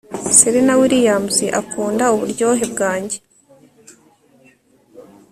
serena williams akunda uburyohe bwanjye